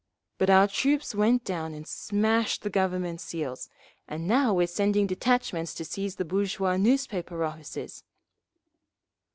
_ But our troops went down and smashed the Government seals, and now we're sending detachments to seize the bourgeois newspaper offices!"